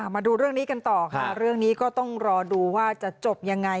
มาดูเรื่องนี้กันต่อค่ะเรื่องนี้ก็ต้องรอดูว่าจะจบยังไง